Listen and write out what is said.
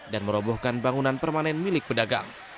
dan merobohkan bangunan permanen milik pedagang